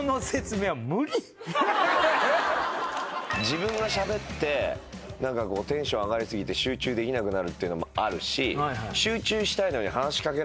自分がしゃべってテンション上がり過ぎて集中できなくなるっていうのもあるし。